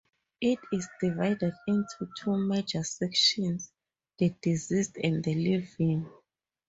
It is divided into two major sections, the deceased and the living.